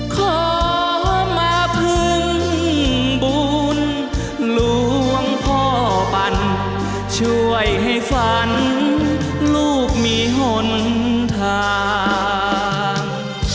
ขอมาพึ่งบุญหลวงพ่อปั่นช่วยให้ฝันลูกมีหนทาง